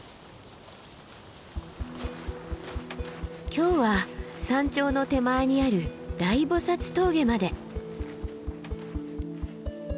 今日は山頂の手前にある大菩峠まで。